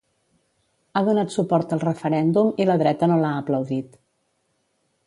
Ha donat suport al referèndum i la dreta no l'ha aplaudit